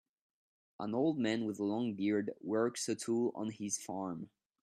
An old man with a long beard works a tool on his farm